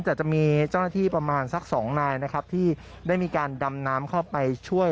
แต่จะมีเจ้าหน้าที่ประมาณสัก๒นายนะครับที่ได้มีการดำน้ำเข้าไปช่วย